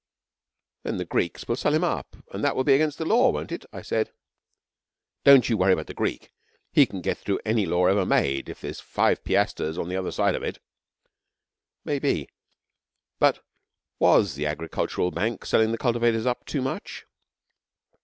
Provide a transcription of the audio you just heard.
'Then the Greek will sell him up, and that will be against the law, won't it?' I said. 'Don't you worry about the Greek. He can get through any law ever made if there's five piastres on the other side of it.' 'Maybe; but was the Agricultural Bank selling the cultivators up too much?'